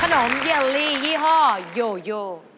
เยลลี่ยี่ห้อโยโย